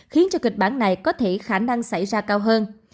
khiến cho kịch bản này có thể khả năng xảy ra cao hơn